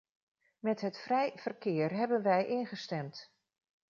Met het vrij verkeer hebben wij ingestemd.